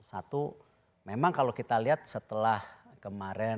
satu memang kalau kita lihat setelah kemarin